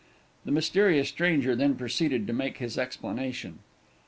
The mysterious stranger then proceeded to make his explanation.